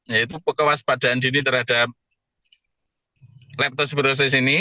yaitu kewaspadaan dini terhadap leptospirosis ini